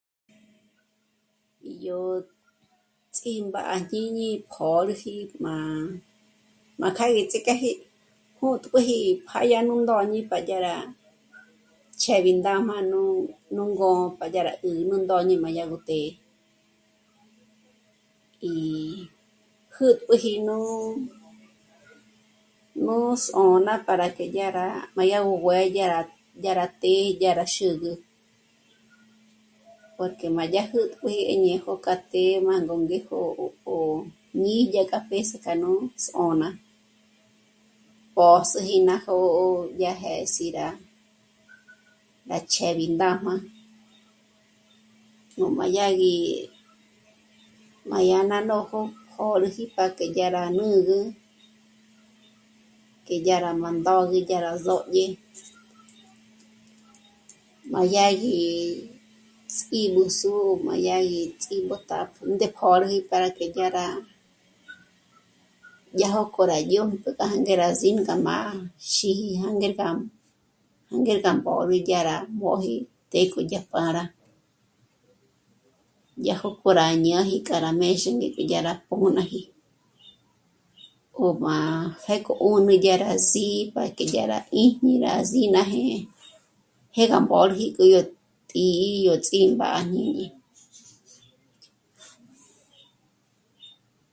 Yó ts'ímba à jñiñi pjö̌rüji má... kjâ'a gí ts'íjk'eji pö́tpjüji pa yá nú ndóñi pa dyá rá ch'ëb'í ndájmá nú... nú ngó'o para yá 'ǜ' nú ndóñi gó mí má dyá ró té'e y... jǚpjüji nú... nú só'n'a para que dyá rá, má yá gó juë́dya, dya rá té'e, dyá rá xǚgü, porque má yá gú jǘpk'ü í ñej nú k'a té má nóngéjo ó ñí'i ñé café ts'ák'a nú só'n'a, pö̌s'üji ná jó'o dyá jês'i rá ná rá ch'éb'i ndájma, nú m'ádyá gí, má yá ná nójo pjö́rüji para que dyá rá nǚgü, que yá rá má ndógi ngá rá sódye. Má yá gí tsí'bùs'u, má yá gí ts'ímbótàpjü ndé pjö́rüji para que yá rá, ya jókò rá dyùjpjü para que rá sín gá má xíji jânger gá má... jânger gá mbórü yá rá móji téj k'o dyá para yá jókò rá ñáji k'a rá mbézhejne, yá rá pö̌n'aji... ó má pjéko 'ùni yá rá sí'i para que dyá rá 'ijñi rá s'í ná jé'e, jêrgá mórji k'a yó tǐ'i o ts'ímba à jñíñi